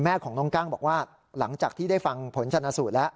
แม่ของน้องกั้งบอกว่าหลังจากที่ได้ฟังผลชนะสูตรแล้ว